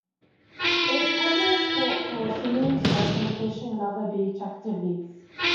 It's a popular spot for swimming, surfing, fishing, and other beach activities.